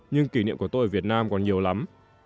nhưng kỷ niệm của tôi ở việt nam còn nhiều lắm